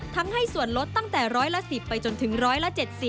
ให้ส่วนลดตั้งแต่ร้อยละ๑๐ไปจนถึง๑๗๐